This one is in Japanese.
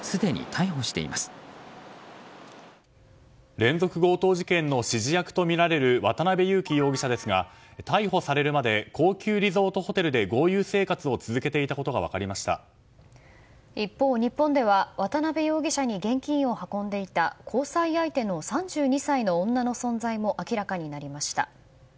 連続強盗事件の指示役とみられる渡辺優樹容疑者ですが逮捕されるまで高級リゾートホテルで豪遊生活を続けていたことが一方、日本では渡辺容疑者に現金を運んでいた交際相手の３２歳の女の存在も明らかになりました。